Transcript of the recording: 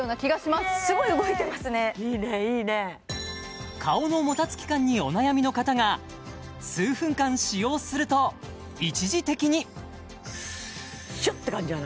すごい動いてますねいいねいいね顔のもたつき感にお悩みの方が数分間使用すると一時的にシュッて感じやな